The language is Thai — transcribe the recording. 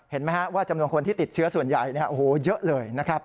เห็นไหมฮะว่าจำนวนคนที่ติดเชื้อส่วนใหญ่เยอะเลยนะครับ